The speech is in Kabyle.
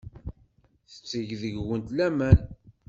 Tetteg deg-went laman.